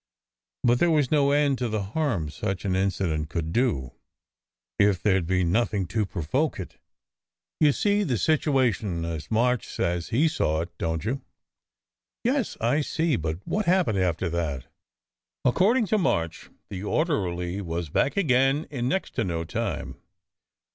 But there was no end to the harm such an incident could do, if there d been nothing to provoke it. You see the situation as March says he saw it, don t you?" " Yes, I see. But what happened after that? " 140 SECRET HISTORY "According to March, the orderly was back again in next to no time.